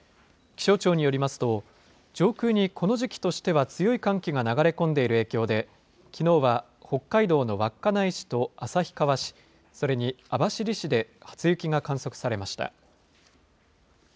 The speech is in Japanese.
気象庁によりますと、上空にこの時期としては強い寒気が流れ込んでいる影響で、きのうは北海道の稚内市と旭川市、それに網走市で初雪が観測されました。